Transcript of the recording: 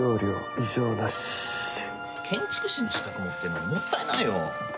異常なし建築士の資格持ってんのにもったいないよ